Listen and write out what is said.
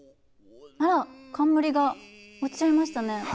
あら冠が落ちちゃいましたね。